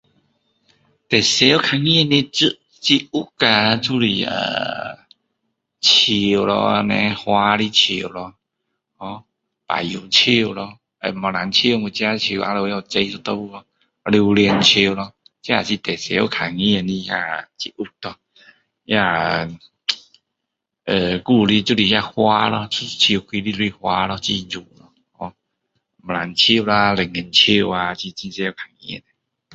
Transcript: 最常看到的植植物啊就是树咯花和树咯 ho ho 香蕉树咯红毛丹树咯我自己后面也有种一颗榴莲树咯这是最常看见的植物咯那呃还有的就是花咯树开的花咯很美 ho 橄榄树啊龙眼树啊都是最常看见的